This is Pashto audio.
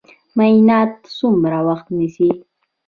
معاینات څومره وخت نیسي؟